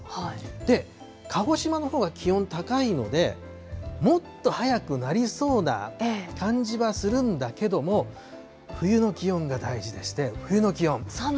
で、鹿児島のほうが気温高いので、もっと早くなりそうな感じはするんだけども、冬の気温が大事でして、冬の気温。